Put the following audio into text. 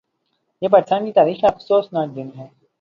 یہ پاکستان کی تاریخ کا ایک افسوسناک دن ہے